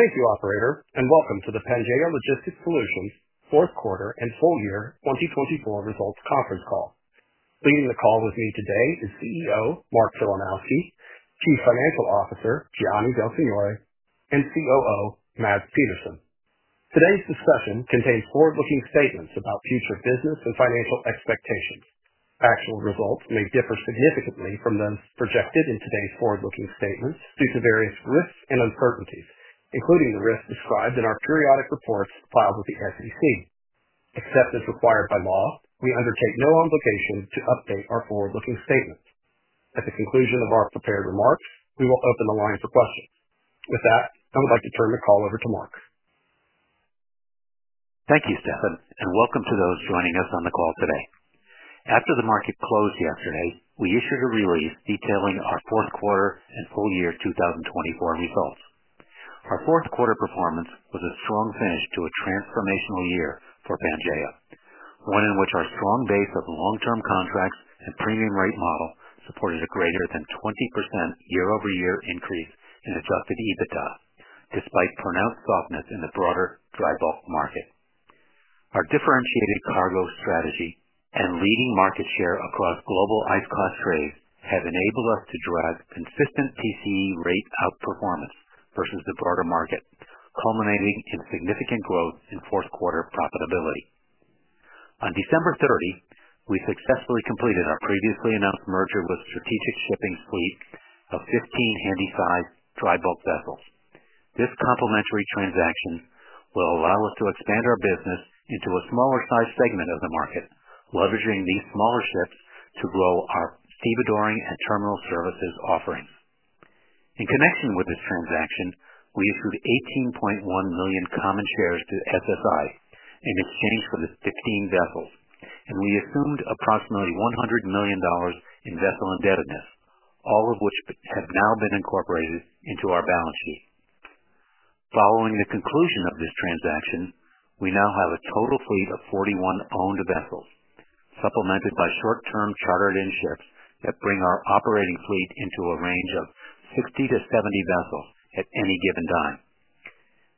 Thank you, Operator, and welcome to the Pangaea Logistics Solutions Fourth Quarter and Full Year 2024 Results Conference Call. Leading the call with me today is CEO Mark Filanowski, Chief Financial Officer Gianni Del Signore, and COO Mads Petersen. Today's discussion contains forward-looking statements about future business and financial expectations. Actual results may differ significantly from those projected in today's forward-looking statements due to various risks and uncertainties, including the risks described in our periodic reports filed with the SEC. Except as required by law, we undertake no obligation to update our forward-looking statements. At the conclusion of our prepared remarks, we will open the line for questions. With that, I would like to turn the call over to Mark. Thank you, Stefan, and welcome to those joining us on the call today. After the market closed yesterday, we issued a release detailing our fourth quarter and full year 2024 results. Our fourth quarter performance was a strong finish to a transformational year for Pangaea, one in which our strong base of long-term contracts and premium rate model supported a greater than 20% year-over-year increase in adjusted EBITDA, despite pronounced softness in the broader dry bulk market. Our differentiated cargo strategy and leading market share across global ice-class trades have enabled us to drive consistent TCE rate outperformance versus the broader market, culminating in significant growth in fourth quarter profitability. On December 30, we successfully completed our previously announced merger with Strategic Shipping's fleet of 15 Handysize dry bulk vessels. This complementary transaction will allow us to expand our business into a smaller-sized segment of the market, leveraging these smaller ships to grow our stevedoring and terminal services offerings. In connection with this transaction, we issued 18.1 million common shares to SSI in exchange for the 15 vessels, and we assumed approximately $100 million in vessel indebtedness, all of which have now been incorporated into our balance sheet. Following the conclusion of this transaction, we now have a total fleet of 41 owned vessels, supplemented by short-term chartered-in ships that bring our operating fleet into a range of 60-70 vessels at any given time.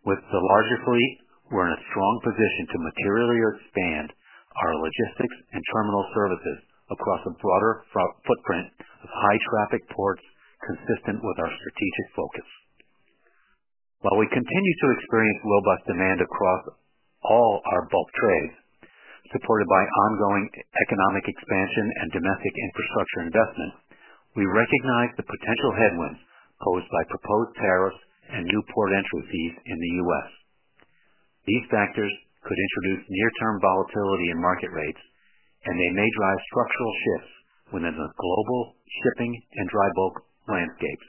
With the larger fleet, we're in a strong position to materially expand our logistics and terminal services across a broader footprint of high-traffic ports consistent with our strategic focus. While we continue to experience robust demand across all our bulk trades, supported by ongoing economic expansion and domestic infrastructure investment, we recognize the potential headwinds posed by proposed tariffs and new port entry fees in the U.S. These factors could introduce near-term volatility in market rates, and they may drive structural shifts within the global shipping and dry bulk landscapes.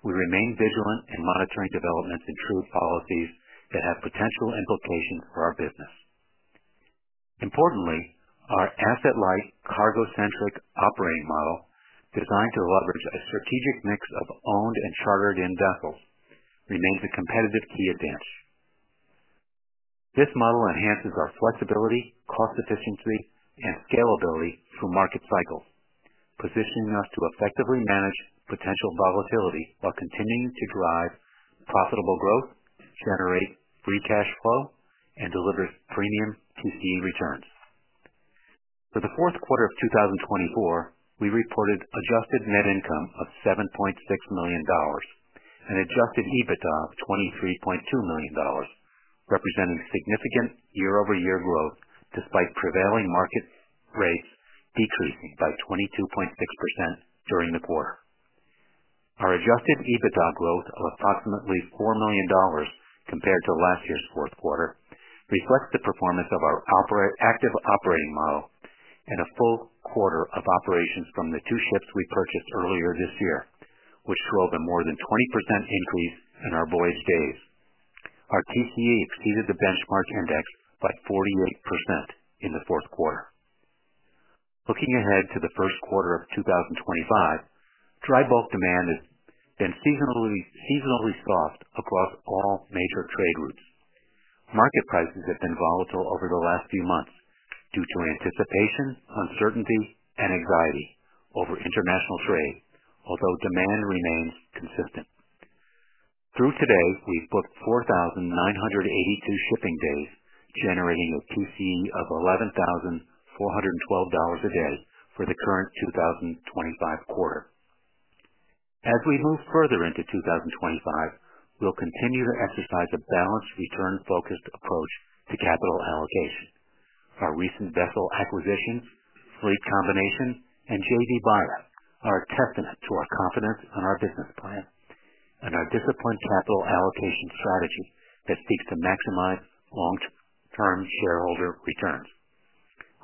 We remain vigilant in monitoring developments in trade policies that have potential implications for our business. Importantly, our asset-light, cargo-centric operating model, designed to leverage a strategic mix of owned and chartered-in vessels, remains a competitive key advantage. This model enhances our flexibility, cost efficiency, and scalability through market cycles, positioning us to effectively manage potential volatility while continuing to drive profitable growth, generate free cash flow, and deliver premium TCE returns. For the fourth quarter of 2024, we reported adjusted net income of $7.6 million and adjusted EBITDA of $23.2 million, representing significant year-over-year growth despite prevailing market rates decreasing by 22.6% during the quarter. Our adjusted EBITDA growth of approximately $4 million compared to last year's fourth quarter reflects the performance of our active operating model and a full quarter of operations from the two ships we purchased earlier this year, which drove a more than 20% increase in our voyage days. Our TCE exceeded the benchmark index by 48% in the fourth quarter. Looking ahead to the first quarter of 2025, dry bulk demand has been seasonally soft across all major trade routes. Market prices have been volatile over the last few months due to anticipation, uncertainty, and anxiety over international trade, although demand remains consistent. Through today, we've booked 4,982 shipping days, generating a TCE of $11,412 a day for the current 2025 quarter. As we move further into 2025, we'll continue to exercise a balanced return-focused approach to capital allocation. Our recent vessel acquisitions, fleet combination, and JV buyout are a testament to our confidence in our business plan and our disciplined capital allocation strategy that seeks to maximize long-term shareholder returns.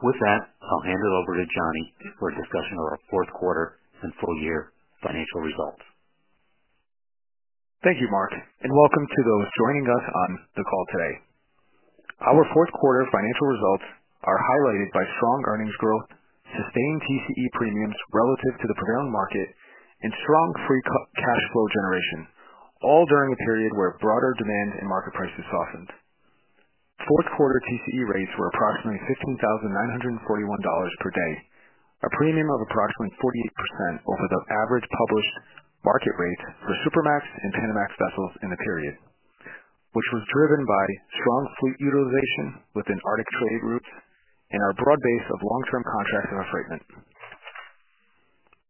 With that, I'll hand it over to Gianni for a discussion of our fourth quarter and full year financial results. Thank you, Mark, and welcome to those joining us on the call today. Our fourth quarter financial results are highlighted by strong earnings growth, sustained TCE premiums relative to the prevailing market, and strong free cash flow generation, all during a period where broader demand and market prices softened. Fourth quarter TCE rates were approximately $15,941 per day, a premium of approximately 48% over the average published market rate for Supramax and Panamax vessels in the period, which was driven by strong fleet utilization within Arctic trade routes and our broad base of long-term contracts and affreightment.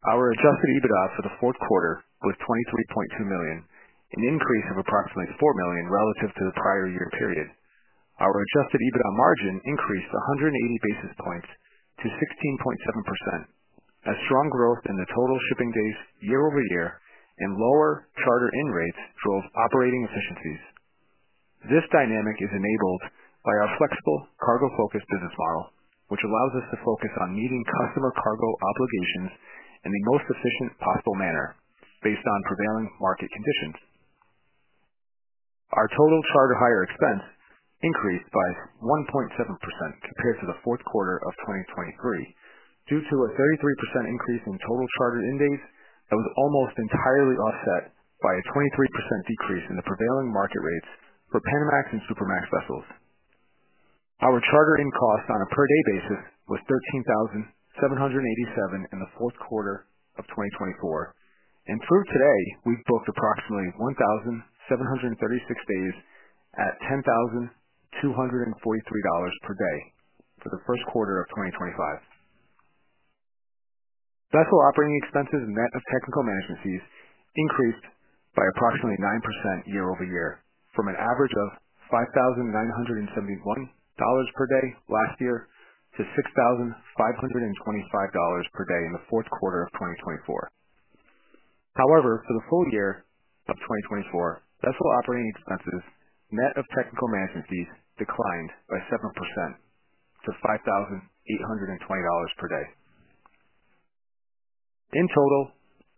Our adjusted EBITDA for the fourth quarter was $23.2 million, an increase of approximately $4 million relative to the prior year period. Our adjusted EBITDA margin increased 180 basis points to 16.7%, as strong growth in the total shipping days year-over-year and lower charter-in rates drove operating efficiencies. This dynamic is enabled by our flexible cargo-focused business model, which allows us to focus on meeting customer cargo obligations in the most efficient possible manner based on prevailing market conditions. Our total charter hire expense increased by 1.7% compared to the fourth quarter of 2023 due to a 33% increase in total charter-in days that was almost entirely offset by a 23% decrease in the prevailing market rates for Panamax and Supramax vessels. Our charter-in cost on a per-day basis was $13,787 in the fourth quarter of 2024, and through today, we've booked approximately 1,736 days at $10,243 per day for the first quarter of 2025. Vessel operating expenses and net of technical management fees increased by approximately 9% year-over-year from an average of $5,971 per day last year to $6,525 per day in the fourth quarter of 2024. However, for the full year of 2024, vessel operating expenses net of technical management fees declined by 7% to $5,820 per day. In total,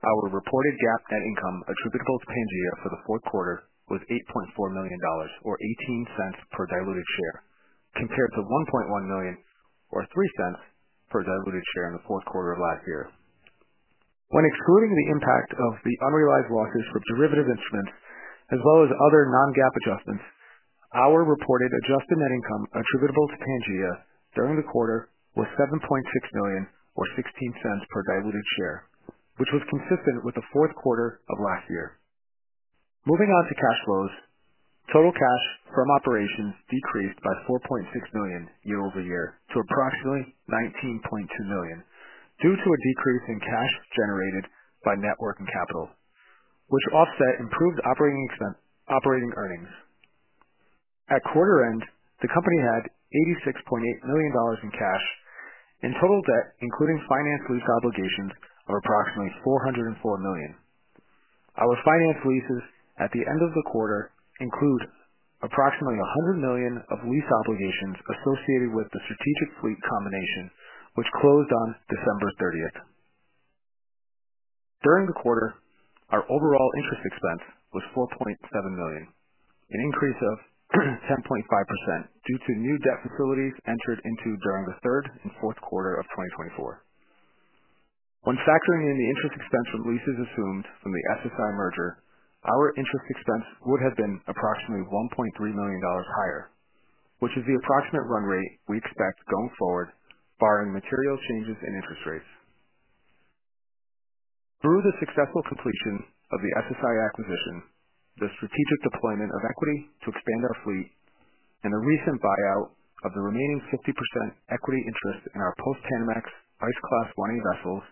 our reported GAAP net income attributable to Pangaea for the fourth quarter was $8.4 million, or $0.18 per diluted share, compared to $1.1 million, or $0.03 per diluted share in the fourth quarter of last year. When excluding the impact of the unrealized losses for derivative instruments, as well as other non-GAAP adjustments, our reported adjusted net income attributable to Pangaea during the quarter was $7.6 million, or $0.16 per diluted share, which was consistent with the fourth quarter of last year. Moving on to cash flows, total cash from operations decreased by $4.6 million year-over-year to approximately $19.2 million due to a decrease in cash generated by net working capital, which offset improved operating earnings. At quarter end, the company had $86.8 million in cash and total debt, including finance lease obligations, of approximately $404 million. Our finance leases at the end of the quarter include approximately $100 million of lease obligations associated with the Strategic Fleet Combination, which closed on December 30. During the quarter, our overall interest expense was $4.7 million, an increase of 10.5% due to new debt facilities entered into during the Third and Fourth Quarter of 2024. When factoring in the interest expense from leases assumed from the SSI merger, our interest expense would have been approximately $1.3 million higher, which is the approximate run rate we expect going forward, barring material changes in interest rates. Through the successful completion of the SSI acquisition, the strategic deployment of equity to expand our fleet, and the recent buyout of the remaining 50% equity interest in our Post-Panamax ice-class running vessels,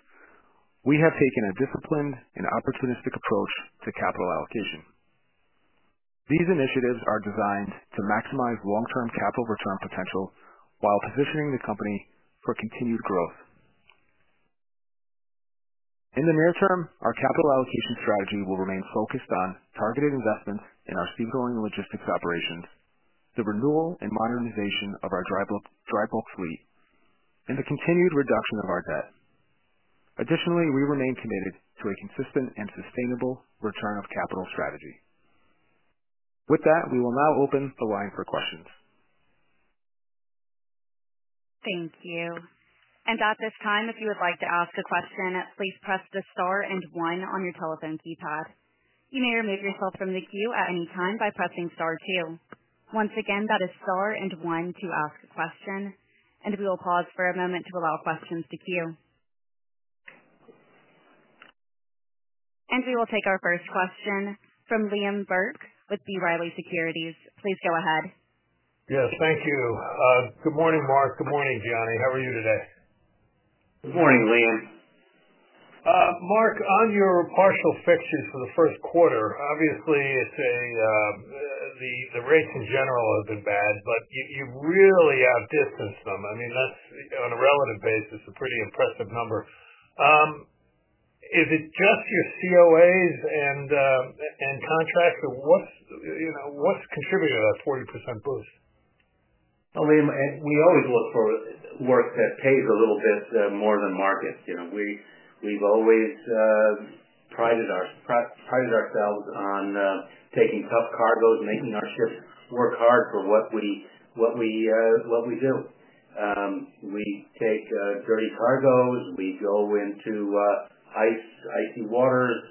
we have taken a disciplined and opportunistic approach to capital allocation. These initiatives are designed to maximize long-term capital return potential while positioning the company for continued growth. In the near term, our capital allocation strategy will remain focused on targeted investments in our stevedoring logistics operations, the renewal and modernization of our dry bulk fleet, and the continued reduction of our debt. Additionally, we remain committed to a consistent and sustainable return of capital strategy. With that, we will now open the line for questions. Thank you. At this time, if you would like to ask a question, please press the star and one on your telephone keypad. You may remove yourself from the queue at any time by pressing star two. Once again, that is star and one to ask a question. We will pause for a moment to allow questions to queue. We will take our first question from Liam Burke with B. Riley Securities. Please go ahead. Yes, thank you. Good morning, Mark. Good morning, Gianni. How are you today? Good morning, Liam. Mark, on your partial fixtures for the first quarter, obviously the rates in general have been bad, but you've really outdistanced them. I mean, that's on a relative basis, a pretty impressive number. Is it just your COAs and contracts? What's contributed to that 40% boost? Liam, we always look for work that pays a little bit more than market. We've always prided ourselves on taking tough cargoes, making our ships work hard for what we do. We take dirty cargoes. We go into icy waters.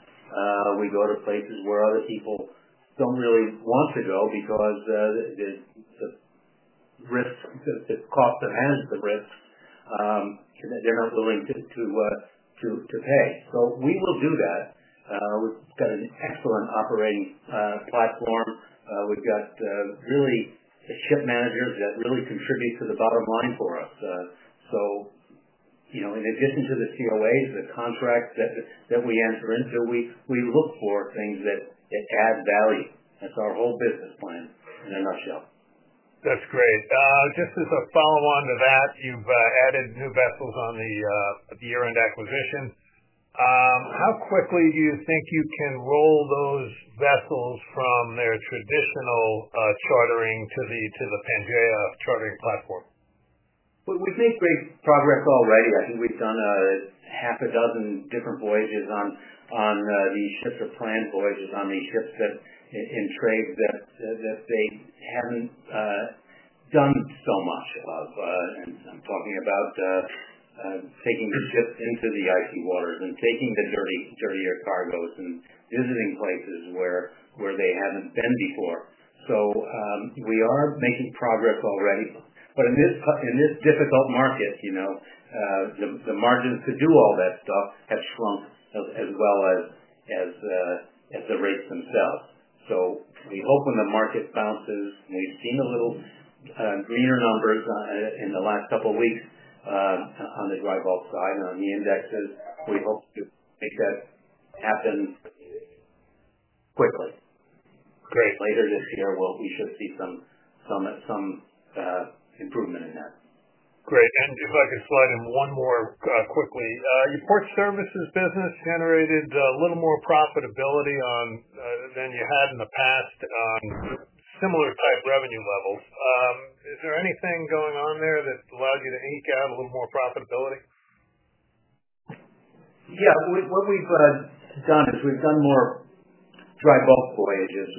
We go to places where other people do not really want to go because the cost to manage the risks, they are not willing to pay. We will do that. We've got an excellent operating platform. We've got really ship managers that really contribute to the bottom line for us. In addition to the COAs, the contracts that we enter into, we look for things that add value. That is our whole business plan in a nutshell. That's great. Just as a follow-on to that, you've added new vessels on the year-end acquisition. How quickly do you think you can roll those vessels from their traditional chartering to the Pangaea Chartering Platform? We've made great progress already. I think we've done half a dozen different voyages on these ships or planned voyages on these ships in trade that they haven't done so much of. I'm talking about taking the ships into the icy waters and taking the dirtier cargoes and visiting places where they haven't been before. We are making progress already. In this difficult market, the margins to do all that stuff have shrunk as well as the rates themselves. We hope when the market bounces, and we've seen a little greener numbers in the last couple of weeks on the dry bulk side and on the indexes, we hope to make that happen quickly. Great. Later this year, we should see some improvement in that. Great. Just like to slide in one more quickly, your port services business generated a little more profitability than you had in the past on similar type revenue levels. Is there anything going on there that allowed you to ink out a little more profitability? Yeah. What we've done is we've done more dry bulk voyages,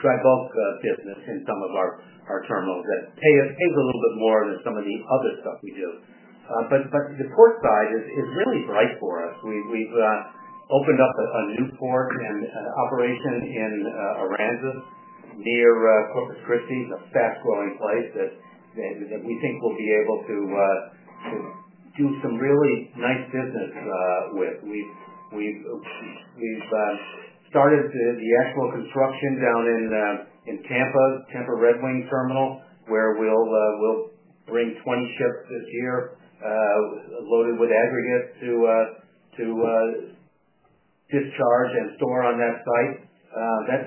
dry bulk business in some of our terminals that pays a little bit more than some of the other stuff we do. The port side is really bright for us. We've opened up a new port and operation in Aransas near Corpus Christi, a fast-growing place that we think we'll be able to do some really nice business with. We've started the actual construction down in Tampa, Tampa Redwing terminal, where we'll bring 20 ships this year loaded with aggregate to discharge and store on that site.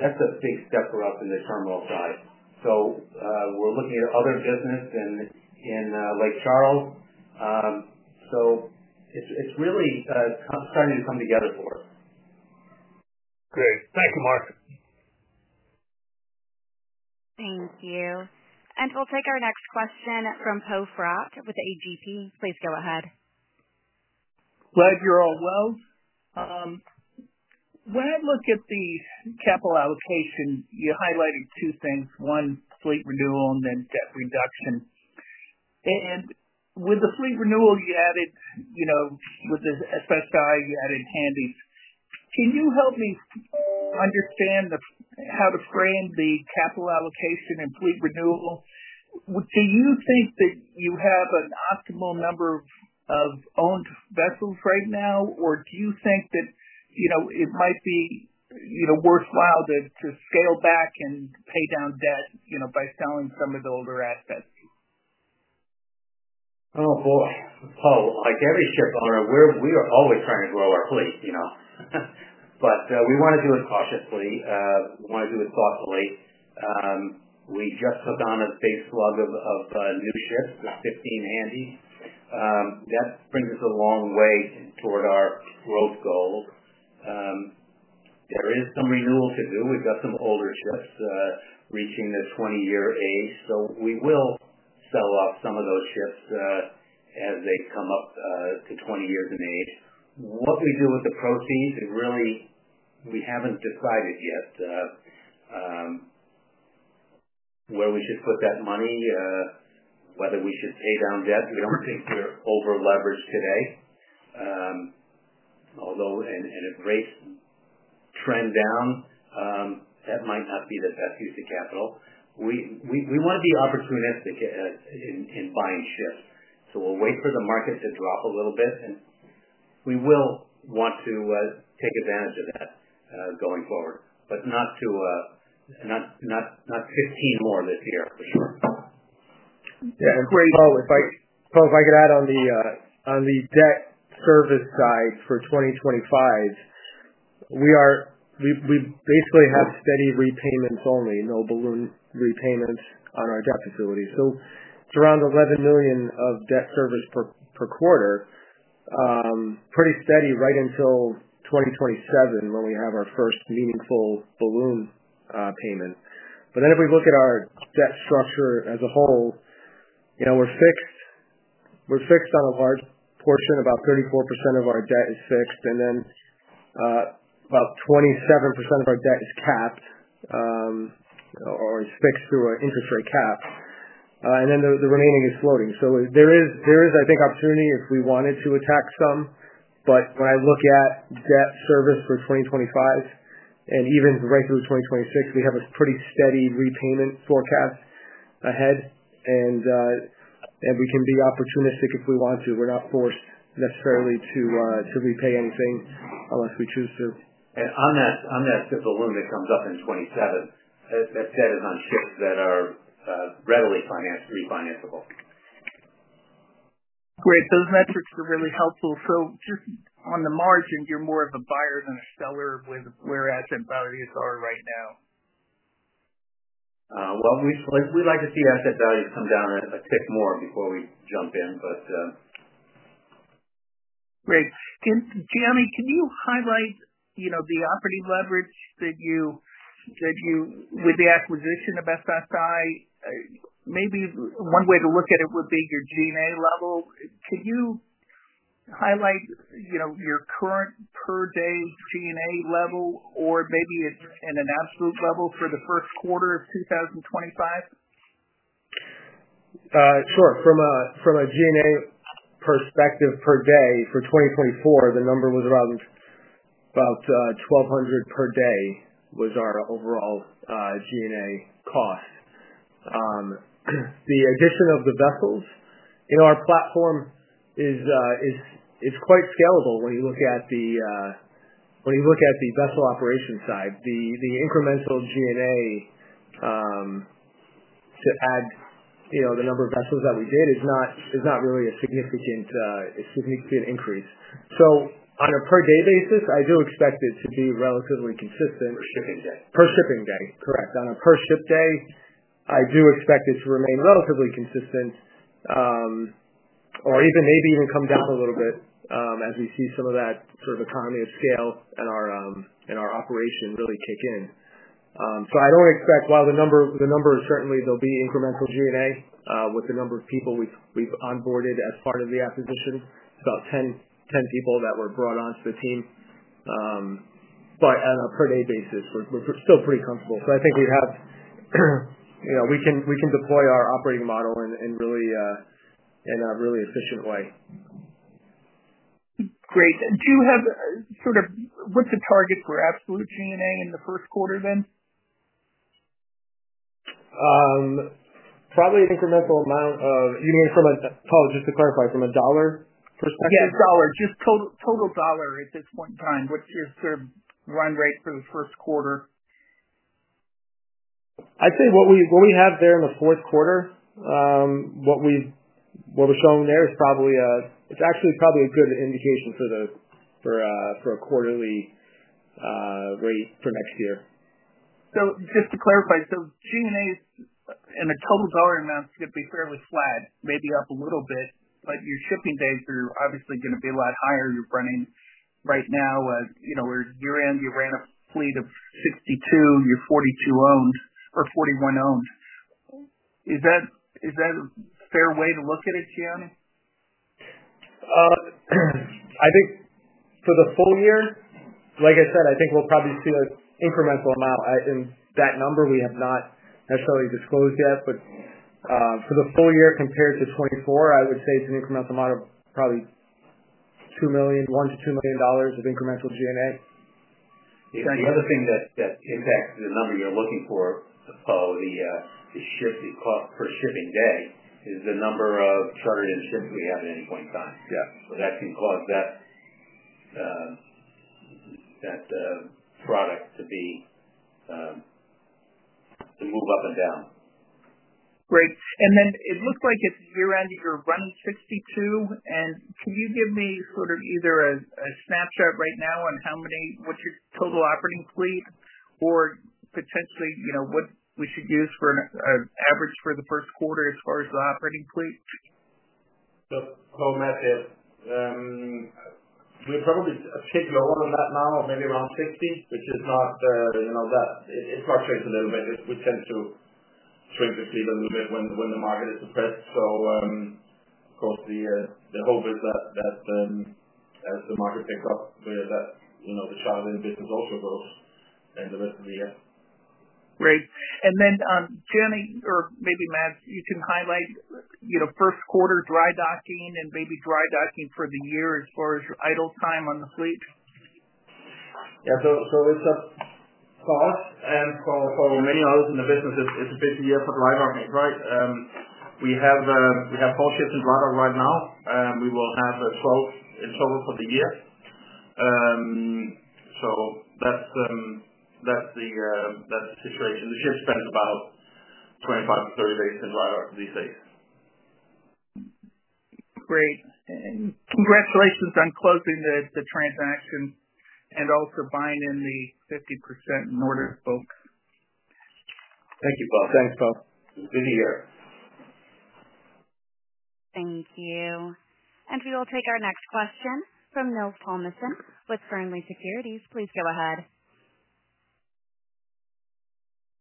That's a big step for us in the terminal side. We're looking at other business in Lake Charles. It's really starting to come together for us. Great. Thank you, Mark. Thank you. We will take our next question from Poe Fratt with AGP. Please go ahead. Glad you're all well. When I look at the capital allocation, you highlighted two things, one, fleet renewal, and then debt reduction. With the fleet renewal, you added with the SSI, you added handies. Can you help me understand how to frame the capital allocation and fleet renewal? Do you think that you have an optimal number of owned vessels right now, or do you think that it might be worthwhile to scale back and pay down debt by selling some of the older assets? Oh, boy. Like every ship owner, we are always trying to grow our fleet. We want to do it cautiously. We want to do it thoughtfully. We just took on a big slug of new ships, 15 handies. That brings us a long way toward our growth goals. There is some renewal to do. We've got some older ships reaching the 20-year age. We will sell off some of those ships as they come up to 20 years in age. What we do with the proceeds, really, we haven't decided yet where we should put that money, whether we should pay down debt. We don't think we're over-leveraged today. Although, in a great trend down, that might not be the best use of capital. We want to be opportunistic in buying ships. We will wait for the market to drop a little bit, and we will want to take advantage of that going forward, but not 15 more this year, for sure. Yeah. Poe, if I could add on the debt service side for 2025, we basically have steady repayments only, no balloon repayments on our debt facility. It is around $11 million of debt service per quarter, pretty steady right until 2027 when we have our first meaningful balloon payment. If we look at our debt structure as a whole, we are fixed on a large portion. About 34% of our debt is fixed, and about 27% of our debt is capped or is fixed through an interest rate cap. The remaining is floating. I think there is opportunity if we wanted to attack some. When I look at debt service for 2025 and even right through 2026, we have a pretty steady repayment forecast ahead. We can be opportunistic if we want to. We're not forced necessarily to repay anything unless we choose to. On that balloon that comes up in 2027, that debt is on ships that are readily refinanceable. Great. Those metrics are really helpful. Just on the margin, you're more of a buyer than a seller with where asset values are right now? We'd like to see asset values come down a tick more before we jump in, but. Great. Gianni, can you highlight the operating leverage that you with the acquisition of SSI? Maybe one way to look at it would be your G&A level. Can you highlight your current per-day G&A level or maybe in an absolute level for the first quarter of 2025? Sure. From a G&A perspective, per day, for 2024, the number was around about $1,200 per day was our overall G&A cost. The addition of the vessels in our platform is quite scalable when you look at the when you look at the vessel operation side. The incremental G&A to add the number of vessels that we did is not really a significant increase. On a per-day basis, I do expect it to be relatively consistent. Per shipping day. Per shipping day. Correct. On a per-ship day, I do expect it to remain relatively consistent or even maybe even come down a little bit as we see some of that sort of economy of scale and our operation really kick in. I do not expect, while the number is certainly there will be incremental G&A with the number of people we've onboarded as part of the acquisition, about 10 people that were brought onto the team. On a per-day basis, we're still pretty comfortable. I think we can deploy our operating model in a really efficient way. Great. Do you have sort of what's the target for absolute G&A in the first quarter then? Probably an incremental amount of, you mean from a, just to clarify, from a dollar perspective? Yeah, dollar. Just total dollar at this point in time. What's your run rate for the first quarter? I'd say what we have there in the fourth quarter, what we're showing there is probably a, it's actually probably a good indication for a quarterly rate for next year. Just to clarify, G&A in a total dollar amount is going to be fairly flat, maybe up a little bit, but your shipping days are obviously going to be a lot higher. You're running right now where year-end, you ran a fleet of 62, you're 42-owned or 41-owned. Is that a fair way to look at it, Gianni? I think for the full year, like I said, I think we'll probably see an incremental amount. That number, we have not necessarily disclosed yet. For the full year compared to 2024, I would say it's an incremental amount of probably $1 million-$2 million of incremental G&A. The other thing that impacts the number you're looking for, Poe, the ship, the cost per shipping day, is the number of chartered in ships we have at any point in time. That can cause that product to move up and down. Great. It looks like at year-end, you're running 62. Can you give me sort of either a snapshot right now on how many, what's your total operating fleet, or potentially what we should use for an average for the first quarter as far as the operating fleet? Poe, Matt, we're probably a bit lower on that now, maybe around 60, which is not that it fluctuates a little bit. We tend to shrink the fleet a little bit when the market is depressed. Of course, the hope is that as the market picks up, that the chartered in business also grows and the rest of the year. Great. Gianni, or maybe Matt, you can highlight first quarter dry docking and maybe dry docking for the year as far as idle time on the fleet? Yeah. So it's a cost. And for many others in the business, it's a busy year for dry docking, right? We have 12 ships in dry dock right now. We will have 12 in total for the year. So that's the situation. The ship spends about 25-30 days in dry dock these days. Great. Congratulations on closing the transaction and also buying in the 50% partner folks. Thank you, Poe. Thanks, Poe. Busy year. Thank you. We will take our next question from Nils Thommesen with Fearnley Securities. Please go ahead.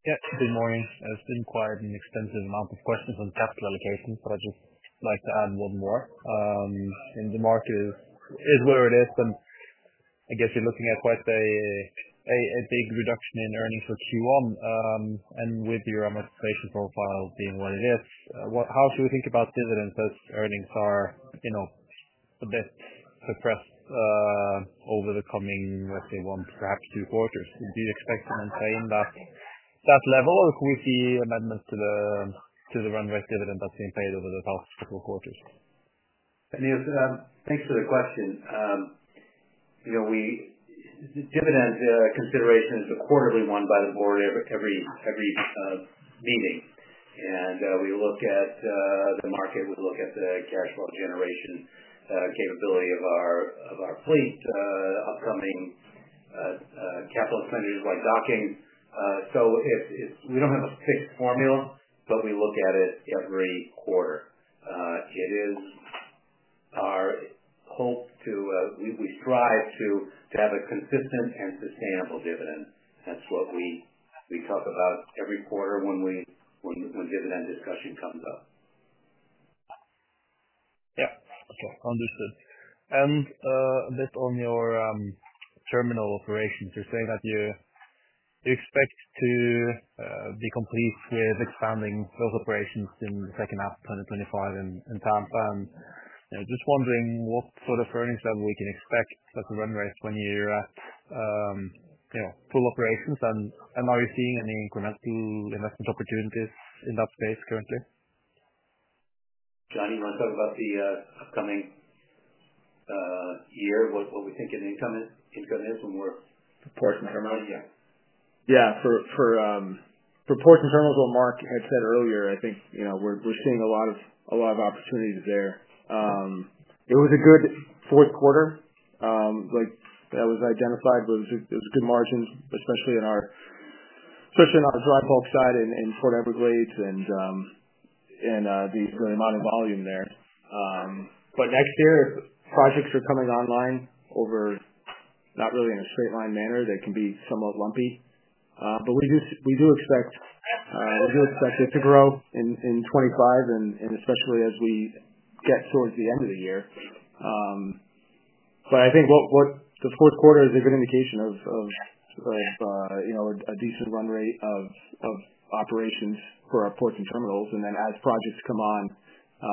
Yes. Good morning. It's been quite an extensive amount of questions on capital allocation, but I'd just like to add one more. The market is where it is. I guess you're looking at quite a big reduction in earnings for Q1. With your amortization profile being what it is, how should we think about dividends as earnings are a bit suppressed over the coming, let's say, one, perhaps two quarters? Do you expect to maintain that level, or can we see amendments to the run rate dividend that's been paid over the past couple of quarters? Nils, thanks for the question. Dividend consideration is a quarterly one by the board every meeting. We look at the market. We look at the cash flow generation capability of our fleet, upcoming capital expenditures like docking. We do not have a fixed formula, but we look at it every quarter. It is our hope to, we strive to have a consistent and sustainable dividend. That is what we talk about every quarter when dividend discussion comes up. Yeah. Okay. Understood. A bit on your terminal operations. You're saying that you expect to be complete with expanding those operations in the second half of 2025 in Tampa. Just wondering what sort of earnings level we can expect as a run rate when you're at full operations. Are you seeing any incremental investment opportunities in that space currently? Gianni, you want to talk about the upcoming year, what we think income is when we're porting terminals? Yeah. Yeah. For ports and terminals, what Mark had said earlier, I think we're seeing a lot of opportunities there. It was a good fourth quarter that was identified. It was good margins, especially on our dry bulk side in Port Everglades and the amount of volume there. Next year, projects are coming online over not really in a straight line manner. They can be somewhat lumpy. We do expect it to grow in 2025, and especially as we get towards the end of the year. I think the fourth quarter is a good indication of a decent run rate of operations for our ports and terminals. As projects come on,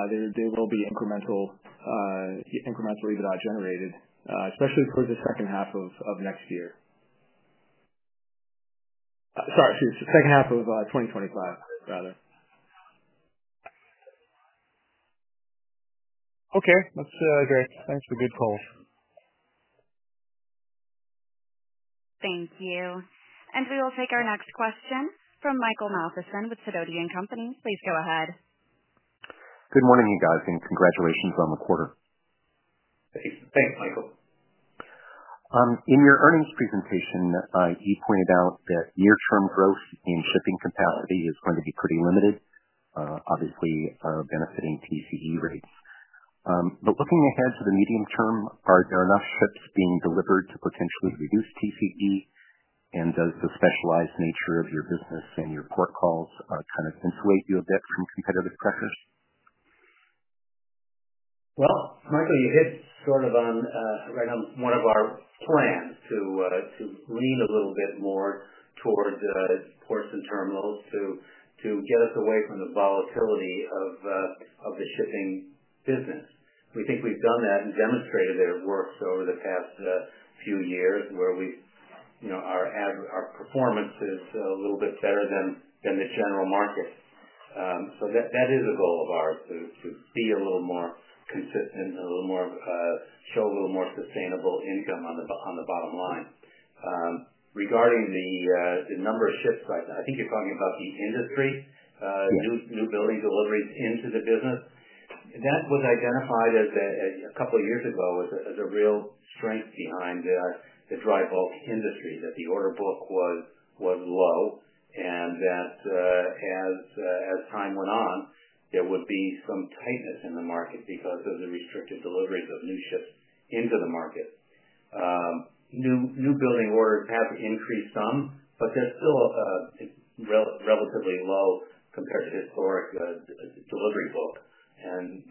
there will be incremental EBITDA generated, especially towards the second half of next year. Sorry, excuse me. Second half of 2025, rather. Okay. That's great. Thanks for the good calls. Thank you. We will take our next question from Michael Mathison with Sidoti & Company. Please go ahead. Good morning, you guys, and congratulations on the quarter. Thanks, Michael. In your earnings presentation, you pointed out that year-term growth in shipping capacity is going to be pretty limited, obviously benefiting TCE rates. Looking ahead to the medium term, are there enough ships being delivered to potentially reduce TCE? Does the specialized nature of your business and your port calls kind of insulate you a bit from competitive pressures? Michael, you hit sort of right on one of our plans to lean a little bit more towards ports and terminals to get us away from the volatility of the shipping business. We think we've done that and demonstrated that it works over the past few years where our performance is a little bit better than the general market. That is a goal of ours to be a little more consistent and show a little more sustainable income on the bottom line. Regarding the number of ships, I think you're talking about the industry, new building deliveries into the business. That was identified a couple of years ago as a real strength behind the dry bulk industry, that the order book was low. As time went on, there would be some tightness in the market because of the restricted deliveries of new ships into the market. New building orders have increased some, but they're still relatively low compared to historic delivery book.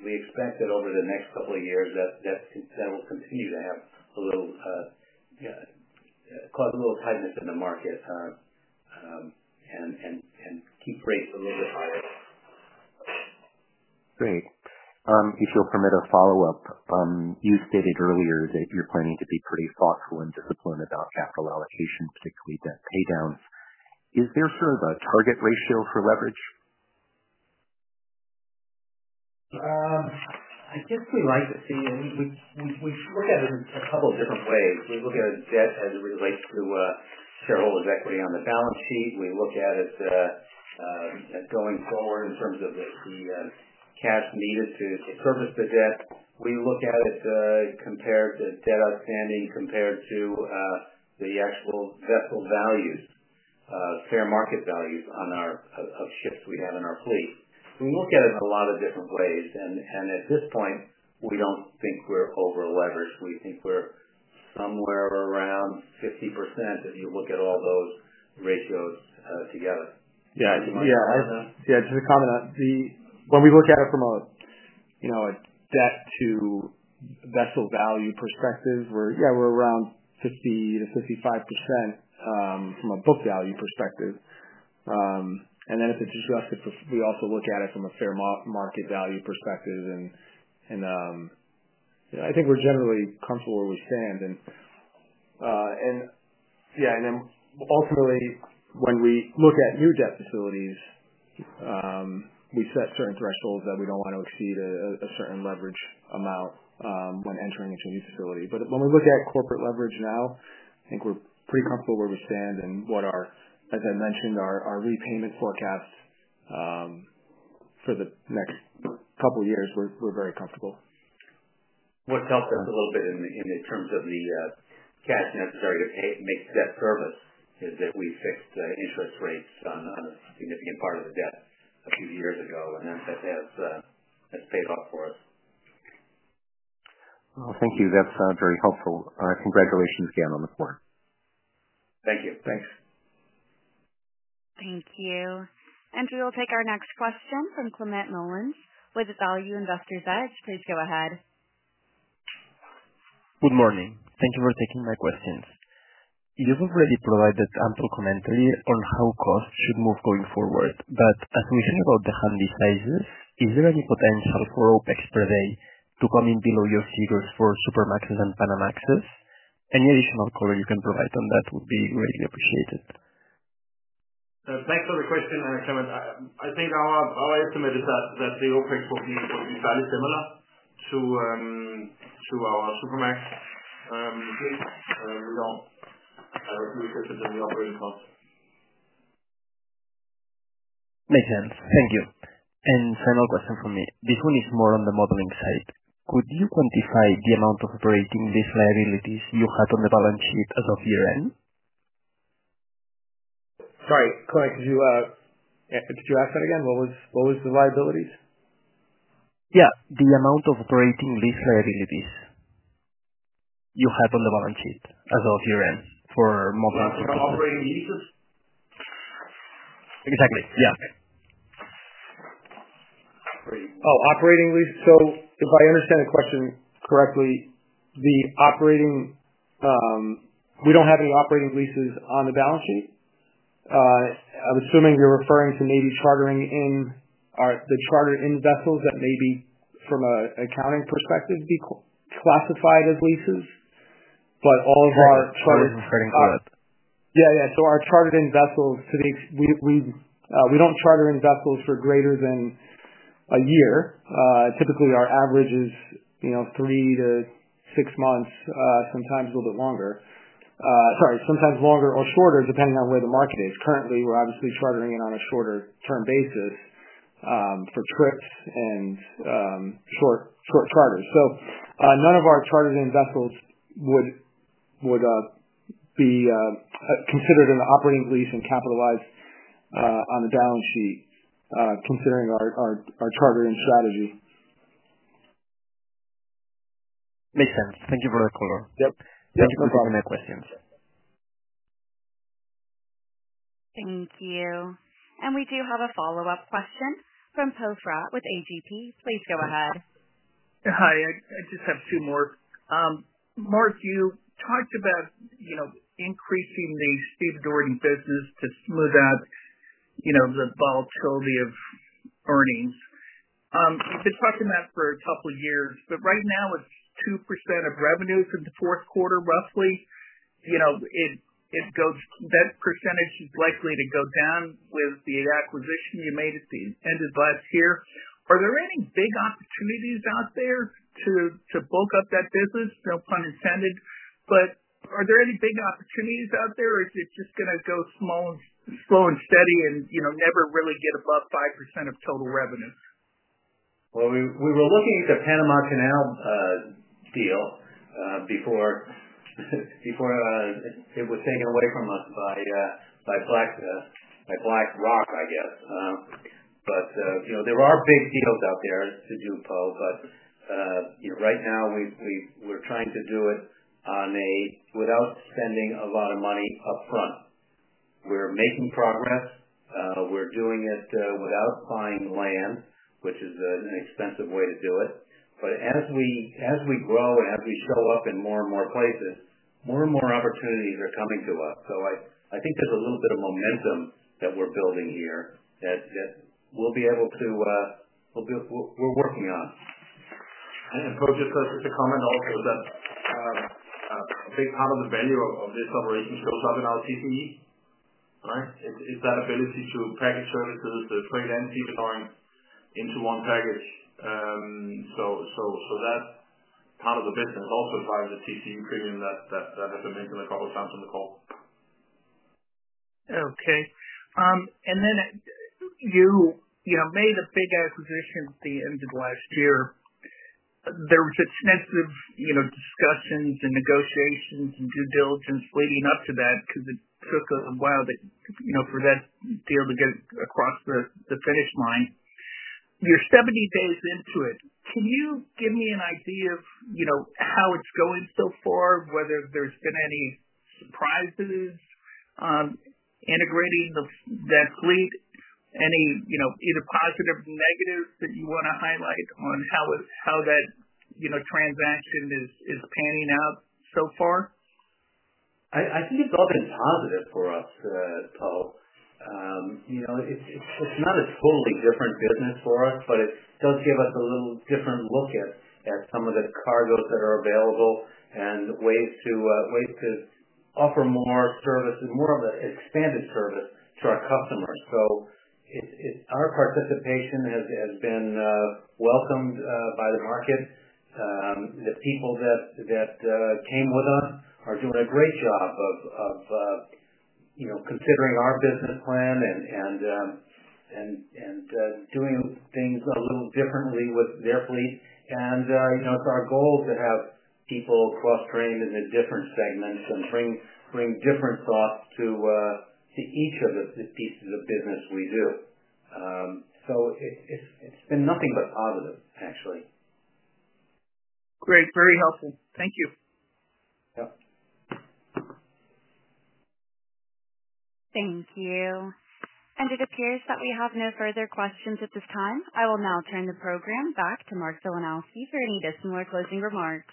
We expect that over the next couple of years, that will continue to cause a little tightness in the market and keep rates a little bit higher. Great. If you'll permit a follow-up, you stated earlier that you're planning to be pretty thoughtful and disciplined about capital allocation, particularly debt paydowns. Is there sort of a target ratio for leverage? I guess we like to see, we look at it in a couple of different ways. We look at debt as it relates to shareholders' equity on the balance sheet. We look at it going forward in terms of the cash needed to service the debt. We look at it compared to debt outstanding compared to the actual vessel values, fair market values of ships we have in our fleet. We look at it in a lot of different ways. At this point, we do not think we are over-leveraged. We think we are somewhere around 50% if you look at all those ratios together. Yeah. Yeah. Just a comment on when we look at it from a debt-to-vessel value perspective, yeah, we're around 50-55% from a book value perspective. And then if it's adjusted, we also look at it from a fair market value perspective. I think we're generally comfortable where we stand. Yeah. Ultimately, when we look at new debt facilities, we set certain thresholds that we don't want to exceed a certain leverage amount when entering into a new facility. When we look at corporate leverage now, I think we're pretty comfortable where we stand. As I mentioned, our repayment forecast for the next couple of years, we're very comfortable. What's helped us a little bit in terms of the cash necessary to make debt service is that we fixed interest rates on a significant part of the debt a few years ago. That has paid off for us. Thank you. That's very helpful. Congratulations again on the quarter. Thank you. Thanks. Thank you. We will take our next question from Clement Nolens with Value Investors Edge. Please go ahead. Good morning. Thank you for taking my questions. You've already provided ample commentary on how costs should move going forward. As we heard about the handy sizes, is there any potential for OPEX per day to come in below your figures for Supramaxes and Panamaxes? Any additional color you can provide on that would be greatly appreciated. Thanks for the question and the comment. I think our estimate is that the OPEX will be fairly similar to our Supramax rates. We do not use different than the operating costs. Makes sense. Thank you. Final question for me. This one is more on the modeling side. Could you quantify the amount of operating lease liabilities you had on the balance sheet as of year-end? Sorry, Climent Molins, did you ask that again? What was the liabilities? Yeah. The amount of operating lease liabilities you had on the balance sheet as of year-end for. You mean operating leases? Exactly. Yeah. Oh, operating leases. If I understand the question correctly, we don't have any operating leases on the balance sheet. I'm assuming you're referring to maybe chartering in the chartered-in vessels that may be, from an accounting perspective, be classified as leases. But all of our chartered. Sorry, I'm referring to. Yeah, yeah. Our chartered-in vessels, we do not charter in vessels for greater than a year. Typically, our average is three to six months, sometimes a little bit longer. Sorry, sometimes longer or shorter depending on where the market is. Currently, we are obviously chartering in on a shorter-term basis for trips and short charters. None of our chartered-in vessels would be considered an operating lease and capitalized on the balance sheet considering our chartered-in strategy. Makes sense. Thank you for the color. Yep. Thank you for taking my questions. Thank you. We do have a follow-up question from Poe Fratt with AGP. Please go ahead. Hi. I just have two more. Mark, you talked about increasing the stevedoring business to smooth out the volatility of earnings. You've been talking about it for a couple of years. Right now, it's 2% of revenues in the fourth quarter, roughly. That percentage is likely to go down with the acquisition you made at the end of last year. Are there any big opportunities out there to bulk up that business? No pun intended. Are there any big opportunities out there, or is it just going to go slow and steady and never really get above 5% of total revenue? We were looking at the Panama Canal deal before it was taken away from us by BlackRock, I guess. There are big deals out there to do, Poe. Right now, we're trying to do it without spending a lot of money upfront. We're making progress. We're doing it without buying land, which is an expensive way to do it. As we grow and as we show up in more and more places, more and more opportunities are coming to us. I think there's a little bit of momentum that we're building here that we're working on. Poe, just a comment also that a big part of the value of this operation shows up in our TCE, right? It's that ability to package services, the trade entities, drawing into one package. So that's part of the business. It also drives the TCE premium that I've mentioned a couple of times on the call. Okay. You made a big acquisition at the end of last year. There were extensive discussions and negotiations and due diligence leading up to that because it took a while for that deal to get across the finish line. You're 70 days into it. Can you give me an idea of how it's going so far, whether there's been any surprises integrating that fleet? Any either positive or negative that you want to highlight on how that transaction is panning out so far? I think it's all been positive for us, Poe. It's not a totally different business for us, but it does give us a little different look at some of the cargoes that are available and ways to offer more service, more of an expanded service to our customers. Our participation has been welcomed by the market. The people that came with us are doing a great job of considering our business plan and doing things a little differently with their fleet. It's our goal to have people cross-trained in the different segments and bring different thoughts to each of the pieces of business we do. It's been nothing but positive, actually. Great. Very helpful. Thank you. Yep. Thank you. It appears that we have no further questions at this time. I will now turn the program back to Mark Filanowski for any additional or closing remarks.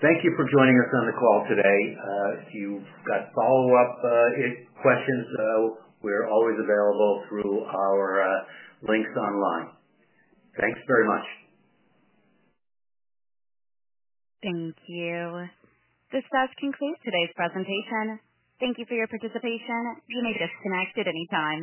Thank you for joining us on the call today. If you've got follow-up questions, we're always available through our links online. Thanks very much. Thank you. This does conclude today's presentation. Thank you for your participation. You may disconnect at any time.